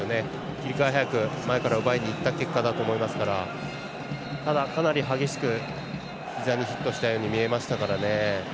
切り替え早く前から奪いに行った結果だと思いますからただ、かなり激しくひざにヒットしたように見えましたからね。